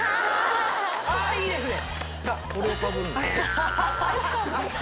いいですね！